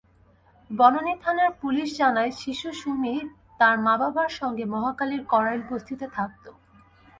বনানী থানার পুলিশ জানায়, শিশু সুমি তার মা-বাবার সঙ্গে মহাখালীর কড়াইল বস্তিতে থাকত।